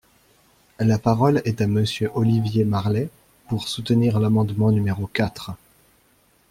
La parole est à Monsieur Olivier Marleix, pour soutenir l’amendement numéro quatre.